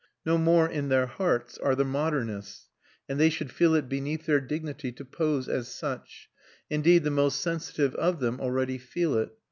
No more, in their hearts, are the modernists, and they should feel it beneath their dignity to pose as such; indeed the more sensitive of them already feel it.